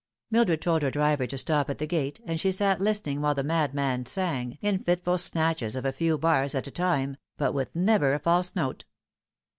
Mildred told her driver to stop at the gate, and she sat listening while the madman sang, in fitful snatches of a few bars at a time, but with never a false note.